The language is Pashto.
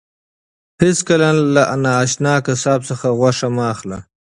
هیڅکله له نااشنا قصاب څخه غوښه مه اخله.